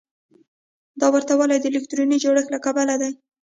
دا ورته والی د الکتروني جوړښت له کبله دی.